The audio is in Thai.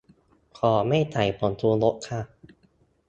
ขอไม่ใส่ผงชูรสค่ะ